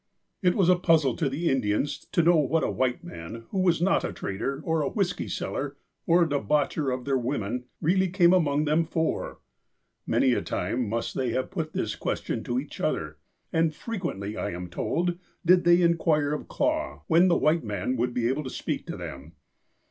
It was a puzzle to the Indians to know what a white man, who was not a trader, or a whiskey seller, or a de baucher of their women, really came among them for. Many a time must they have put this question to each other. And frequently, I am told, did they inquire of Clah when the white man would be able to speak to them.